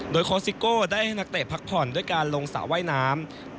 โดยโค้ซิโก้ได้ให้นักเตะพักผ่อนด้วยการลงสระว่ายน้ำ